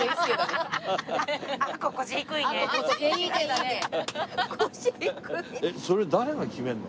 えっそれ誰が決めるの？